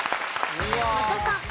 松尾さん。